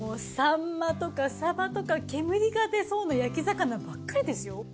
サンマとかサバとか煙が出そうな焼き魚ばっかりですよ。